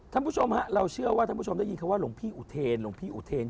ท่านผู้ชมฮะเราเชื่อว่าท่านผู้ชมได้ยินคำว่าหลวงพี่อุเทนหลวงพี่อุเทน